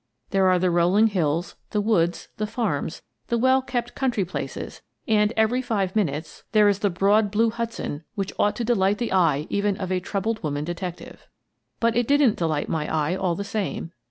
There are the rolling hills, the woods, the farms, the well kept country places, and, every five minutes, there I Am Very Nearly Killed 95 is the broad blue Hudson that ought to delight the eye of even a troubled woman detective. But it didn't delight my eye, all the same.